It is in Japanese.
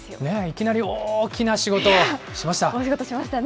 いきなり大きな仕事をしました。